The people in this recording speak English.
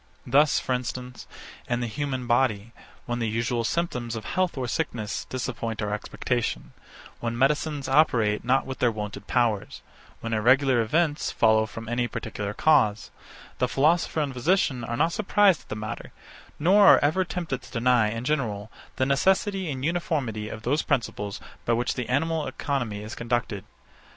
Thus, for instance, in the human body, when the usual symptoms of health or sickness disappoint our expectation; when medicines operate not with their wonted powers; when irregular events follow from any particular cause; the philosopher and physician are not surprised at the matter, nor are ever tempted to deny, in general, the necessity and uniformity of those principles by which the animal economy is conducted.